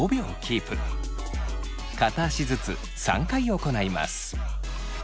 片足ずつ３回行います。